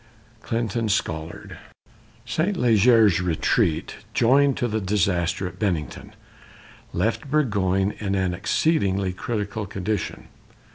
CLINTON SCOLLARD. Saint Leger's retreat, joined to the disaster at Bennington, left Burgoyne in an exceedingly critical condition.